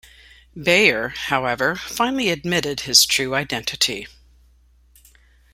Baer, however, finally admitted his true identity.